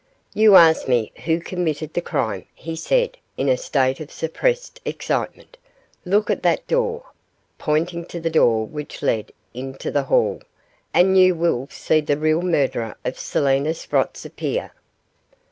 'You asked me who committed the crime,' he said, in a state of suppressed excitement; 'look at that door,' pointing to the door which led into the hall, 'and you will see the real murderer of Selina Sprotts appear.